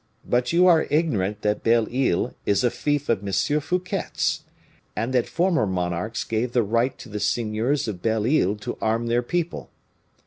But you are ignorant that Belle Isle is a fief of M. Fouquet's, and that former monarchs gave the right to the seigneurs of Belle Isle to arm their people."